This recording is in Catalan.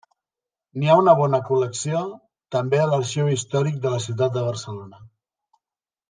N'hi ha una bona col·lecció també a l'Arxiu Històric de la Ciutat de Barcelona.